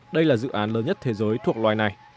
đây là dự án lớn nhất thế giới thuộc loài này